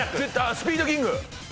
スピードキング。